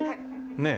ねえ。